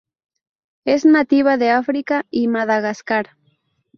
Es nativa de África y Madagascar.